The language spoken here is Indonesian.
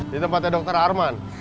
di tempatnya dokter arman